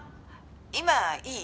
「今いい？」